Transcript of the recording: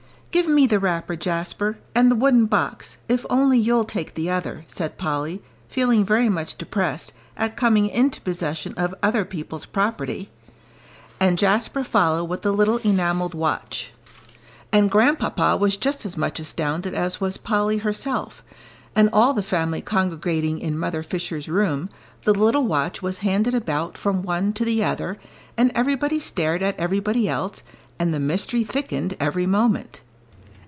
"Give me the wrapper, Jasper, and the wooden box, if only you'll take the other," said Polly, feeling very much depressed at coming into possession of other people's property; and Jasper followed with the little enamelled watch. And Grandpapa was just as much astounded as was Polly herself; and all the family congregating in Mother Fisher's room, the little watch was handed about from one to the other, and everybody stared at everybody else, and the mystery thickened every moment.